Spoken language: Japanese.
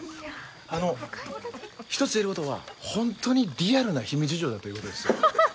あの１つ言えることは本当にリアルな姫路城だということです。